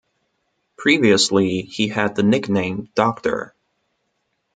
Previously he had the nickname "Doctor".